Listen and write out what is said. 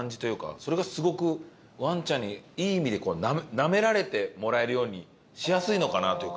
それがすごくワンちゃんにいい意味でナメられてもらえるようにしやすいのかなというか。